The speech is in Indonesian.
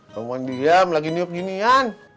kok mau diem lagi niup ginian